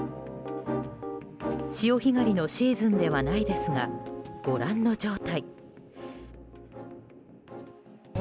潮干狩りのシーズンではないですがご覧の状態。